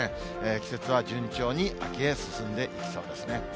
季節は順調に秋へ進んでいきそうですね。